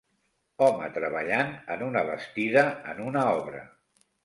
Home treballant en una bastida en una obra.